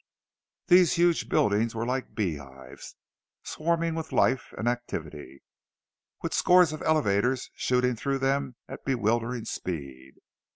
These huge buildings were like beehives, swarming with life and activity, with scores of elevators shooting through them at bewildering speed.